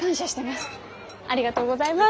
ありがとうございます！